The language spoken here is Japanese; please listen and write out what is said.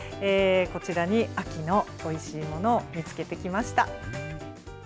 こちらに秋のおいしいものを見つけてきました。